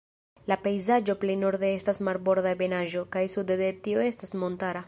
La pejzaĝo plej norde estas marborda ebenaĵo, kaj sude de tio estas montara.